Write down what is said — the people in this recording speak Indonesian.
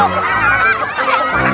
masih untuk panah